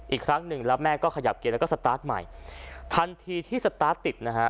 อีกครั้งหนึ่งแล้วแม่ก็ขยับเกณฑ์แล้วก็สตาร์ทใหม่ทันทีที่สตาร์ทติดนะฮะ